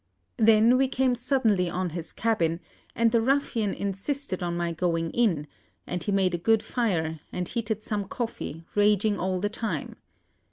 Then we came suddenly on his cabin ... and the 'ruffian' insisted on my going in, and he made a good fire, and heated some coffee, raging all the time....